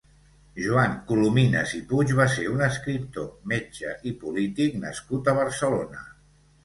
Joan Colomines i Puig va ser un escriptor, metge i polític nascut a Barcelona.